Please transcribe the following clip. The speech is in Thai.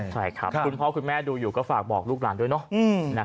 ใช่ครับคุณพ่อคุณแม่ดูอยู่ก็ฝากบอกลูกหลานด้วยเนาะ